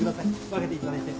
分けていただいて。